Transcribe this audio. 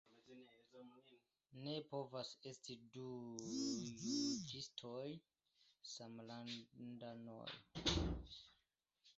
Ne povas esti du juĝistoj samlandanoj.